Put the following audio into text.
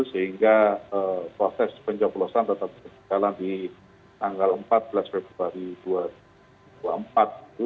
sehingga proses pencoblosan tetap berjalan di tanggal empat belas februari dua ribu dua puluh empat itu